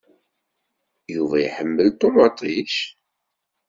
Yuba iḥemmel ṭumaṭic?